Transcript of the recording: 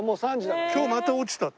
今日また落ちた。